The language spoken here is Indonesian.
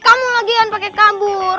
kamu lagian pake kabur